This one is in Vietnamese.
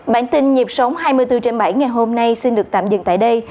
bản tin nhịp sống hai mươi bốn trên bảy ngày hôm nay xin được tạm dừng tại đây